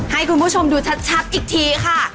ให้คุณผู้ชมดูชัดอีกทีค่ะ